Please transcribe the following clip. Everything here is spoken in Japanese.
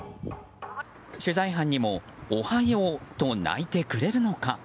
取材班にもおはようと鳴いてくれるのか。